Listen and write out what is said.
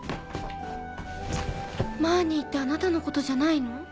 マーニーってあなたのことじゃないの？